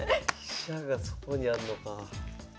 飛車がそこにあんのか。